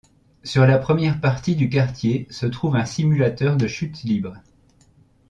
Sur la première partie du quartier se trouve un simulateur de chute libre.